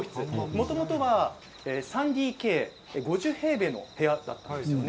もともとは３ＤＫ５０平米の部屋だったんです。